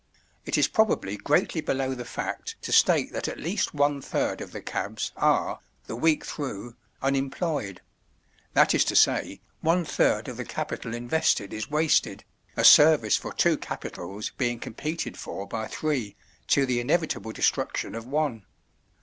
It is probably greatly below the fact to state that at least one third of the cabs are, the week through, unemployed—that is to say, one third of the capital invested is wasted, a service for two capitals being competed for by three, to the inevitable destruction of one.